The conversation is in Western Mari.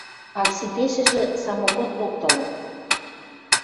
Акситешӹжӹ, самогон локтылын.